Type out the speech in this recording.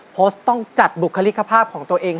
โพสต์ต้องจัดบุคลิกภาพของตัวเอง